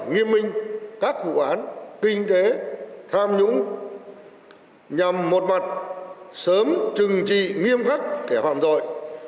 thông minh các vụ án kinh tế tham nhũng nhằm một mặt sớm trừng trị nghiêm khắc kẻ hoạm dội